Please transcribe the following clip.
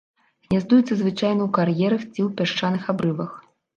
Гняздуецца звычайна ў кар'ерах ці ў пясчаных абрывах.